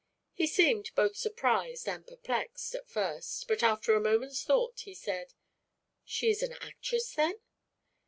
He seemed both surprised and perplexed, at first, but after a moment's thought he said: "She is an actress, then?"